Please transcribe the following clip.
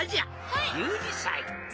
１２さい。